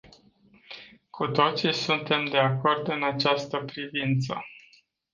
Cu toții suntem de acord în această privință.